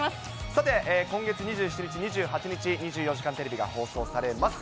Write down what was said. さて、今月２７日、２８日、２４時間テレビが放送されます。